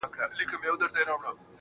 زۀ د دې خلقو اصلېت ته رسېدلے یمه